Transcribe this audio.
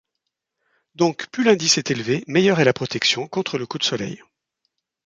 Donc plus l'indice est élevé, meilleure est la protection, contre le coup de soleil.